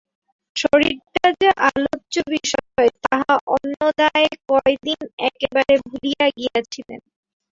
শরীরটা যে আলোচ্য বিষয় তাহা অন্নদা এ কয়দিন একেবারে ভুলিয়া গিয়াছিলেন।